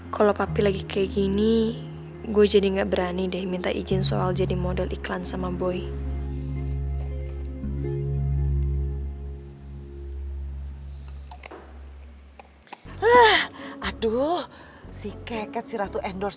kalau papi lagi kayak gini gue jadi gak berani deh minta izin soal jadi model iklan sama boy